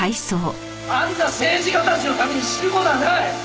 あんな政治家たちのために死ぬ事はない！